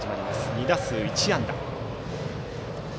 ２打数１安打。